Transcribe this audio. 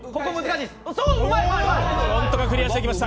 なんとかクリアしていきました。